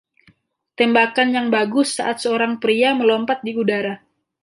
Tembakan yang bagus saat seorang pria melompat di udara.